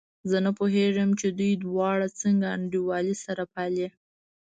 زه نه پوهېږم چې دوی دواړه څنګه انډيوالي سره پالي.